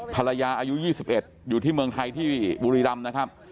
อายุ๒๑อยู่ที่เมืองไทยที่บุรีรำนะครับ